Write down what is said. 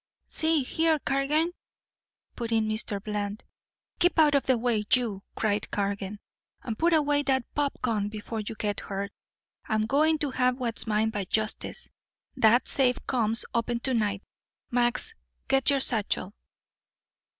"See here, Cargan " put in Mr. Bland. "Keep out of the way, you," cried Cargan. "And put away that pop gun before you get hurt. I'm going to have what's mine by justice. That safe comes open to night. Max, get your satchel."